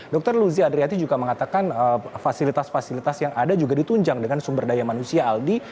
dr luzi adriati juga mengatakan fasilitas fasilitas yang ada juga ditunjang dengan sumber daya manusia aldi